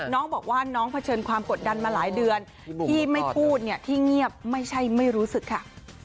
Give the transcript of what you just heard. น้องบอกว่าน้องเผชิญความกดดันมาหลายเดือนที่ไม่พูดเนี่ยที่เงียบไม่ใช่ไม่รู้สึกค่ะ